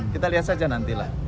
kita lihat saja nantilah